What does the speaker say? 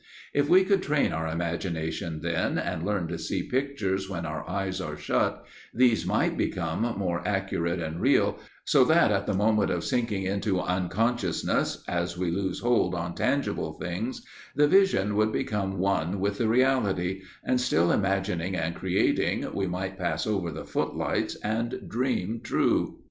If we could train our imagination then, and learn to see pictures when our eyes are shut, these might become more accurate and real, so that at the moment of sinking into unconsciousness, as we lose hold on tangible things, the vision would become one with the reality, and, still imagining and creating, we might pass over the footlights and dream true.